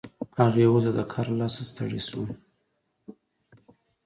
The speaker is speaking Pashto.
هغې وویل چې زه د کار له لاسه ستړې شوم